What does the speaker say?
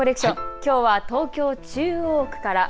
きょうは東京中央区から。